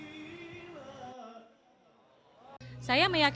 saya meyakinkan bahwa ini adalah suatu perjalanan yang sangat berharga